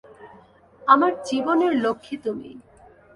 আমার জীবনের লক্ষ্মী তুমি।